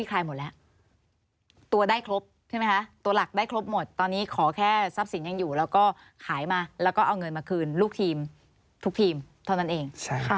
คือจะเอามาบอกว่าถ้าเห็นที่ไหนอย่าซื้ออีกนะคะค่ะอย่าซื้อเออมดเวลาค่ะขอสุดท้ายค่ะ